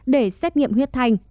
để xét nghiệm huyết thành